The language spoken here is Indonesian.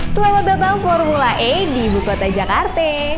selamat datang formula e di bukota jakarta